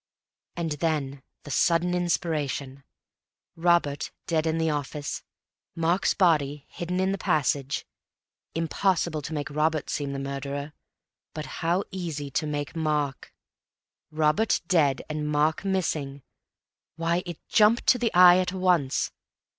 And then the sudden inspiration! Robert dead in the office, Mark's body hidden in the passage—impossible to make Robert seem the murderer, but how easy to make Mark! Robert dead and Mark missing; why, it jumped to the eye at once.